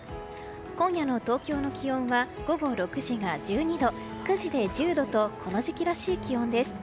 今夜の東京の気温は午後６時が１２度９時で１０度とこの時期らしい気温です。